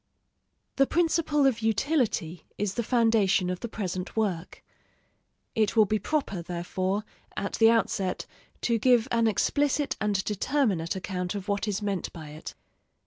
The principle of utility is the foundation of the present work; it will be proper, therefore, at the outset to give an explicit and determinate account of what is meant by it.